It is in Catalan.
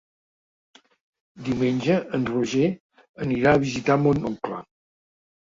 Diumenge en Roger anirà a visitar mon oncle.